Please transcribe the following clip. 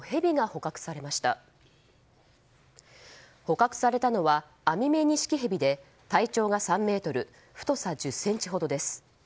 捕獲されたのはアミメニシキヘビで体長が３ｍ太さ、１０ｃｍほどです。